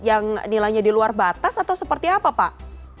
yang nilainya di luar batas atau seperti apa pak